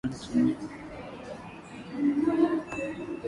పసిడి కంకణమ్ము బ్రాహ్మణు వంచించె